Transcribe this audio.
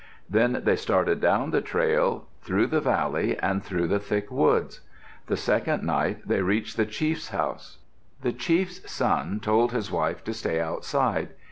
Then they started down the trail, through the valley and through the thick woods. The second night they reached the chief's house. The chief's son told his wife to stay outside.